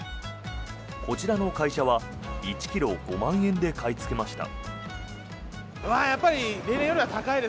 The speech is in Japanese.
こちらの会社は１ｋｇ５万円で買いつけました。